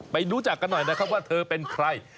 รู้จักกันหน่อยนะครับว่าเธอเป็นใคร